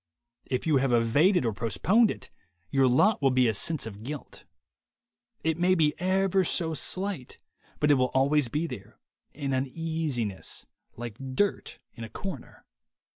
If you have evaded or postponed it, your lot will be a sense of guilt. It may be ever so slight, but it will always be there, an uneasiness, like dirt in a corner.